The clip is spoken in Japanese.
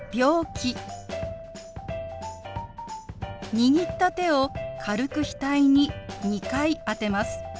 握った手を軽く額に２回当てます。